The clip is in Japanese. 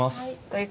はい。